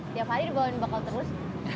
tiap hari di bawah ini bakal terus